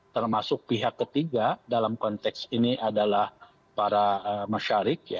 termasuk pihak ketiga dalam konteks ini adalah para masyarik